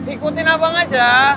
ikutin abang aja